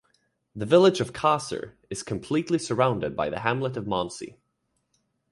The village of Kaser is completely surrounded by the hamlet of Monsey.